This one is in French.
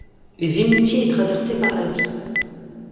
Vimoutiers est traversée par la Vie.